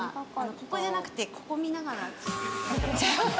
ここじゃなくてここ見ながら。